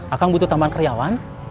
a kang butuh tambahan karyawan